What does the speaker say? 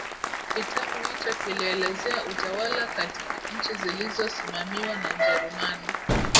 kitabu hicho kilielezea utawala katika nchi zilizosimamiwa na ujerumani